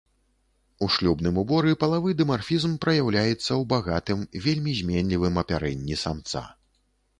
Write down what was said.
У шлюбным уборы палавы дымарфізм праяўляецца ў багатым, вельмі зменлівым апярэнні самца.